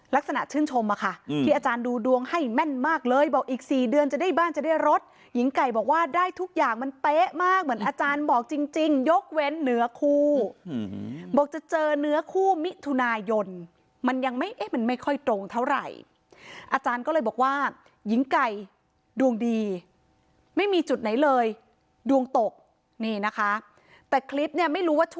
ชื่นชมอะค่ะที่อาจารย์ดูดวงให้แม่นมากเลยบอกอีก๔เดือนจะได้บ้านจะได้รถหญิงไก่บอกว่าได้ทุกอย่างมันเป๊ะมากเหมือนอาจารย์บอกจริงยกเว้นเนื้อคู่บอกจะเจอเนื้อคู่มิถุนายนมันยังไม่เอ๊ะมันไม่ค่อยตรงเท่าไหร่อาจารย์ก็เลยบอกว่าหญิงไก่ดวงดีไม่มีจุดไหนเลยดวงตกนี่นะคะแต่คลิปเนี่ยไม่รู้ว่าช